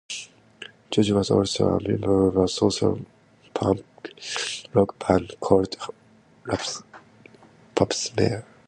George was also a member of a local punk rock band called Pap Smear.